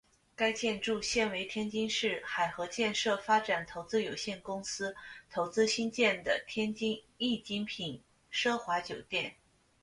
该建筑现为天津市海河建设发展投资有限公司投资兴建的天津易精品奢华酒店。